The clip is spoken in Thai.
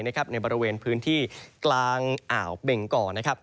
ในบริเวณพื้นที่กลางอ่าวเบ่งก่อ